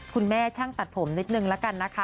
คุณแม่ช่างตัดผมนิดนึงละกันนะคะ